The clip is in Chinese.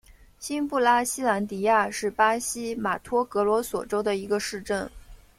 新布拉西兰迪亚是巴西马托格罗索州的一个市镇。